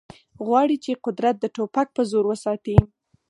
غواړي چې قدرت د ټوپک په زور وساتي